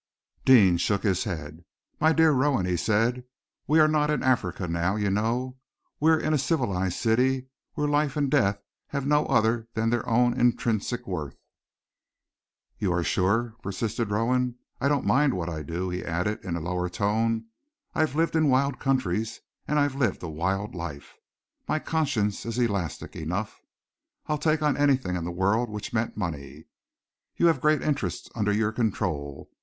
Deane shook his head. "My dear Rowan," he said, "we are not in Africa now, you know. We are in a civilized city, where life and death have no other than their own intrinsic worth." "You are sure?" persisted Rowan. "I don't mind what I do," he added, in a lower tone. "I've lived in wild countries, and I've lived a wild life. My conscience is elastic enough. I'd take on anything in the world which meant money. You have great interests under your control.